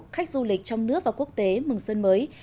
khách du lịch trong nước và quốc tế mừng xuân mới